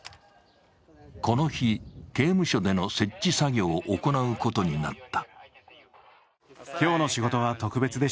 この日、刑務所での設置作業を行うことになった。